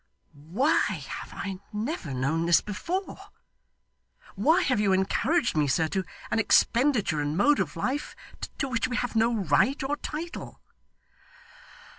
'Why have I never known this before? Why have you encouraged me, sir, to an expenditure and mode of life to which we have no right or title?